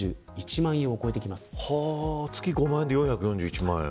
月５万円で４４１万円。